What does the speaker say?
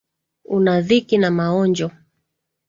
Una dhiki na maonjo